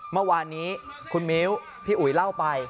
เมื่อวานนี้คุณมิ้วพี่อุ๋ยเล่าไป